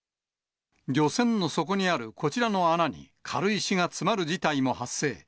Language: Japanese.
漁船の底にあるこちらの穴に軽石が詰まる事態も発生。